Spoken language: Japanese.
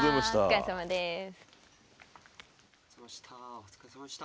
お疲れさまでした。